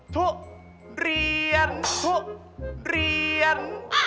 ทุเรียน